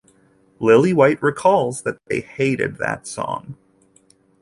Lillywhite recalls that, They hated that song.